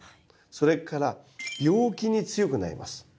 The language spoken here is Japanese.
それから病気に強くなります。